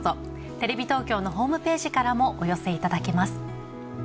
テレビ東京のホームページからもお寄せいただけます。